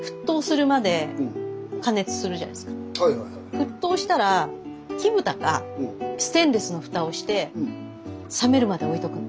沸騰したら木ブタかステンレスのフタをして冷めるまで置いとくの。